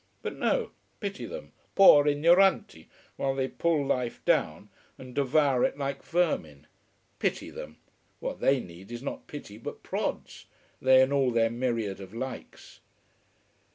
But no: pity them, poor ignoranti, while they pull life down and devour it like vermin. Pity them! What they need is not pity but prods: they and all their myriad of likes.